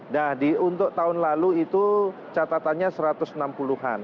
nah untuk tahun lalu itu catatannya satu ratus enam puluh an